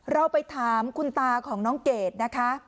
เราไปถามคุณตาของน้องเกดนะคะ